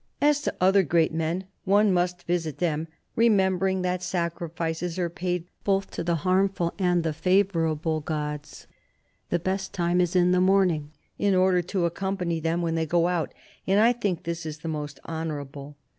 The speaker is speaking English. "As to other great men, one must visit them ... remembering that sacrifices are paid both to the harmful and the favourable gods. ... The best time is the morning, in order to accompany them when they go out, and I think this the most honourable.